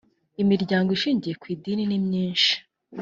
imiryango ishingiye ku idini nimyinshi